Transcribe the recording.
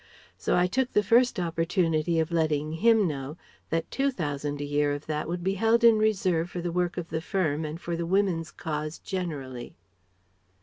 So I took the first opportunity of letting him know that Two thousand a year of that would be held in reserve for the work of the firm and for the Woman's Cause generally....